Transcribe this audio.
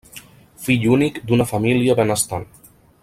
Fill únic d'una família benestant.